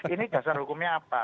ini dasar hukumnya apa